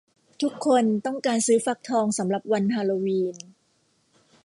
ทุกคนต้องการซื้อฟักทองสำหรับวันฮาโลวีน